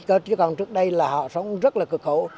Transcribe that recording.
chứ còn trước đây là họ sống rất là cực khổ